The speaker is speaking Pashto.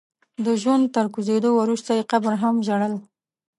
د ژوند تر کوزېدو وروسته يې قبر هم ژړل.